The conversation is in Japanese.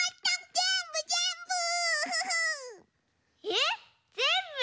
えっぜんぶ？